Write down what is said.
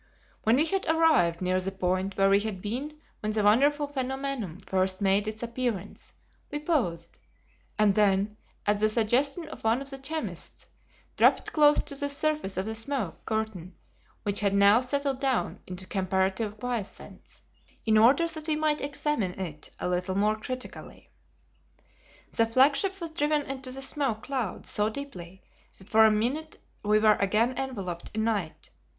When we had arrived near the point where we had been when the wonderful phenomenon first made its appearance, we paused, and then, at the suggestion of one of the chemists, dropped close to the surface of the smoke curtain which had now settled down into comparative quiescence, in order that we might examine it a little more critically. The flagship was driven into the smoke cloud so deeply that for a minute we were again enveloped in night.